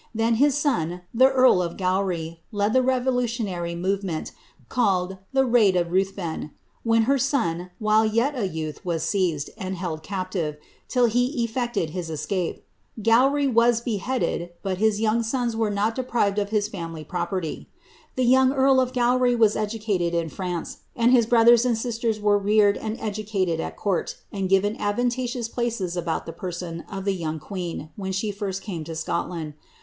Then bis son. the earl of Gown". Iril tlie revolutionary movement, calk d tlie ■ P.aid of Rull .vci,.*" whe'ii h': son, while yet a youth, was seized, and held captive, till be elTecied b:^ escape. Gowry was beheaded, but his young sous were not deprivci] if his famdy property. The young earl of Gowry was educated in France, and his brothers and sisters were reared and educated at cnuri, and ciu^i advantageous places about the person of the young ijueen. when 'be rir i came to Scotland.